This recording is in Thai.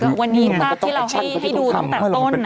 ใช่ก็วันนี้ท่าที่เราให้ดูตั้งแต่ต้น